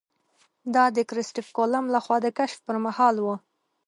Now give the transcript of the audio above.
دا د کرسټېف کولمب له خوا د کشف پر مهال وه.